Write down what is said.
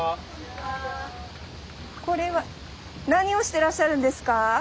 これは何をしてらっしゃるんですか？